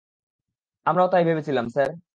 আমরাও তাই ভেবেছিলাম, স্যার।